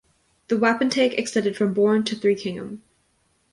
The Wapentake extended from Bourne to Threekingham.